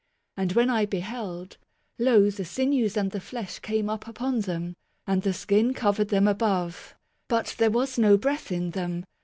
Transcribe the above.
And when I beheld, lo, the sinews and the flesh came up upon them, and the skin covered them above ; but there "was no breath in them.